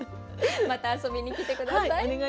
また遊びに来て下さい。